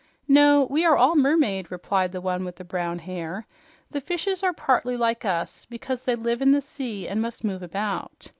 "No, we are all mermaid," replied the one with the brown hair. "The fishes are partly like us, because they live in the sea and must move about.